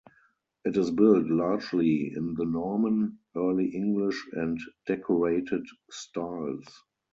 It is built largely in the Norman, Early English and Decorated styles.